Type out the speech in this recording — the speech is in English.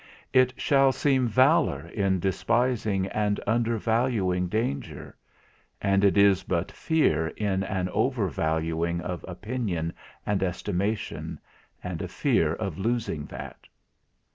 It shall seem valour in despising and undervaluing danger; and it is but fear in an overvaluing of opinion and estimation, and a fear of losing that.